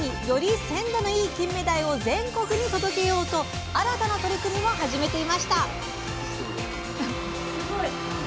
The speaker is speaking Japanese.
より鮮度のいいキンメダイを全国に届けようと新たな取り組みも始めていました。